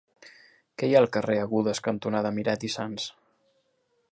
Què hi ha al carrer Agudes cantonada Miret i Sans?